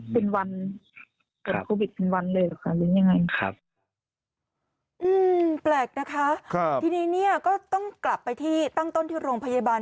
แปลกนะคะทีนี้ก็ต้องกลับไปที่ตั้งต้นที่โรงพยาบาล